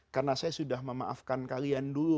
karena saya sudah memaafkan kalian dulu